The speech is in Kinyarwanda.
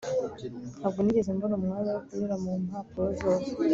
ntabwo nigeze mbona umwanya wo kunyura mu mpapuro zose